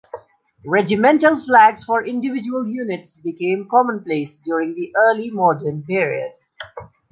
Regimental flags for individual units became commonplace during the Early Modern period.